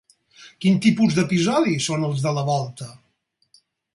Quin tipus d'episodi són els de la volta?